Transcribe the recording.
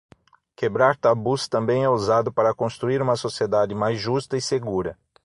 Quebrar tabus também é usado para construir uma sociedade mais justa e segura.